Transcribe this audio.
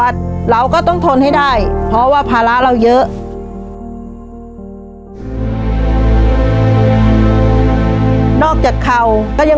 ชีวิตหนูเกิดมาเนี่ยอยู่กับดิน